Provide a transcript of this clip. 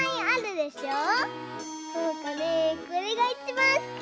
おうかねこれがいちばんすき！